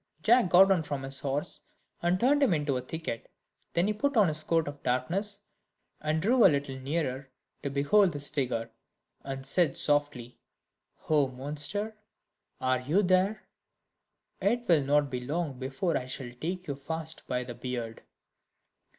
Jack got down from his horse, and turned him into a thicket; then he put on his coat of darkness, and drew a little nearer to behold this figure, and said softly, "Oh, monster! are you there? It will not be long before I shall take you fast by the beard."